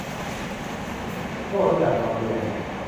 โง่แล้วอยากนอนเตียง